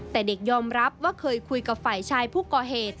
แต่เด็กยอมรับว่าเคยคุยกับฝ่ายชายผู้ก่อเหตุ